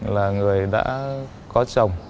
là người đã có chồng